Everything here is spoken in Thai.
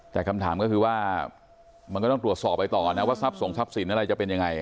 แต่คำถามก็คือว่ามันก็ต้องตรวจสอบไปต่อนะว่าทรัพย์ส่งทรัพย์สินอะไรจะเป็นยังไง